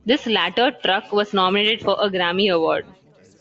This latter track was nominated for a Grammy Award.